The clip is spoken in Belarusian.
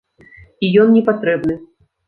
І ён не патрэбны!